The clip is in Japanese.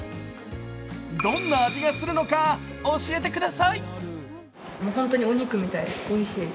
どんな味がするのか教えてください。